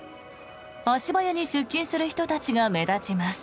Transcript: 足早に出勤する人たちが目立ちます。